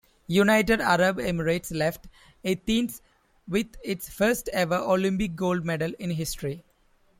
United Arab Emirates left Athens with its first ever Olympic gold medal in history.